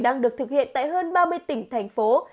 đang được thực hiện tại hơn ba mươi tỉnh thành phố